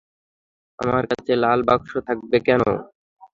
আমার কাছে লাল বাক্স থাকবে কেন?